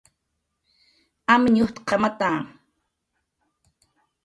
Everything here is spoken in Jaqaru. "Amñ ujtq""amata"